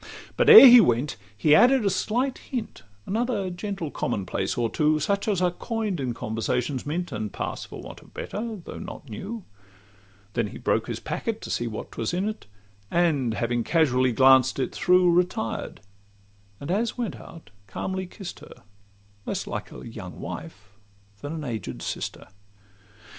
But ere he went, he added a slight hint, Another gentle common place or two, Such as are coin'd in conversation's mint, And pass, for want of better, though not new: Then broke his packet, to see what was in 't, And having casually glanced it through, Retired; and, as went out, calmly kiss'd her, Less like a young wife than an aged sister.